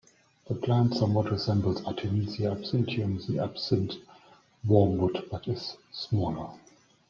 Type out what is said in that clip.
The plant somewhat resembles "Artemisia absinthium", the absinthe wormwood, but is smaller.